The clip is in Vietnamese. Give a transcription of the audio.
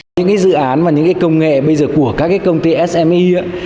những cái dự án và những cái công nghệ bây giờ của các cái công ty sme